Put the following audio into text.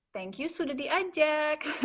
thank you sudah diajak